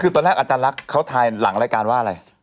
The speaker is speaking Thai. คือตอนแรกอาจารย์ลักษณ์เขาทายหลังรายการว่าอะไร